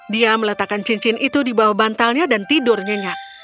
dia meletakkan cincin itu di bawah bantalnya dan tidur nyenyak